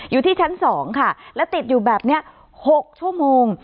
อยู่ที่ชั้น๒ค่ะและติดอยู่แบบนี้๖ชั่วโมง